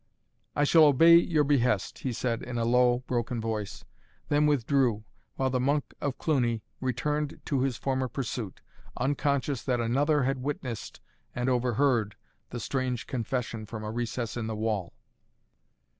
"I shall obey your behest," he said in a low, broken voice, then withdrew, while the Monk of Cluny returned to his former pursuit, unconscious that another had witnessed and overheard the strange confession from a recess in the wall.